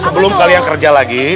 sebelum kalian kerja lagi